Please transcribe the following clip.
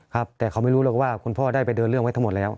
ครับแต่เขาไม่รู้หรอกว่าคุณพ่อได้ไปเดินเรื่องไว้ทั้งหมดแล้ว